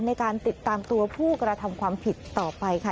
ในการติดตามตัวผู้กระทำความผิดต่อไปค่ะ